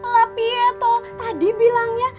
lapi ya toh tadi bilangnya